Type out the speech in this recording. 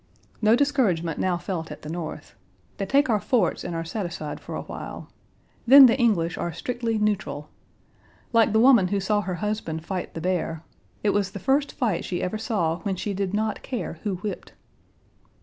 No discouragement now felt at the North. They take our forts and are satisfied for a while. Then the English Page 126 are strictly neutral. Like the woman who saw her husband fight the bear, "It was the first fight she ever saw when she did not care who whipped."